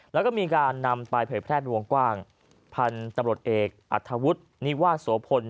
แล้วก็มีการนำไปเผยแพร่เป็นวงกว้างพันธุ์ตำรวจเอกอัธวุฒินิวาโสพล